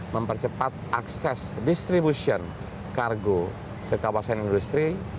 mempercepat akses distribution kargo ke kawasan industri